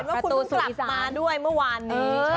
ว่าคุณกลับมาด้วยเมื่อวานนี้